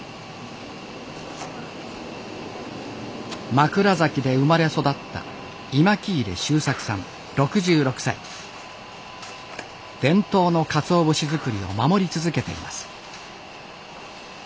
枕崎で生まれ育った伝統のかつお節作りを守り続けています。